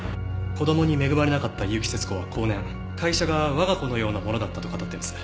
子供に恵まれなかった結城節子は後年会社が我が子のようなものだったと語っています。